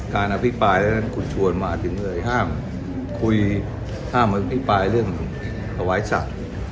การอภิกษ์ปลายแล้วนั้นคุณชวนมาถึงเลยห้ามคุยห้ามอภิกษ์ปลายเรื่องขวายสัตว์